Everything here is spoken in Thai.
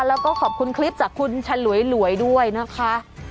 แล้วก็ขอบคุณคลิปจากคุณฉลวยด้วยนะคะ